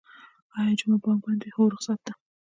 ایا جمعه بانک بند وی؟ هو، رخصت ده